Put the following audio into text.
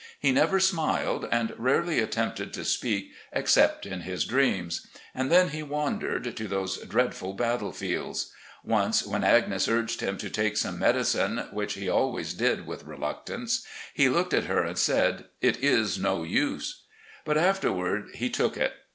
He never smiled, and rarely attempted to speak, except in his dreams, and then he wandered to those dreadful battle fields. Once, when Agnes urged him to take some medicine, which he always did with reluctance, he looked at her and said, 'It is no use.' But afterward he took it.